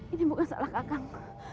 ini bukan salah kakang